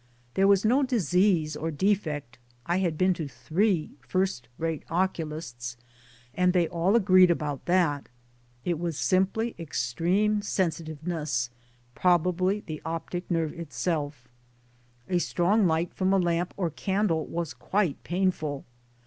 There was no disease or defect I had been to three first rate oculists and they all agreed about that. It was simply extreme sensitiveness probably the optic nerve itself. A strong light from a lamp or candle was quite painful.